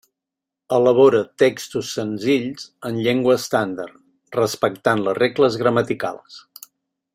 Elabora textos senzills en llengua estàndard, respectant les regles gramaticals.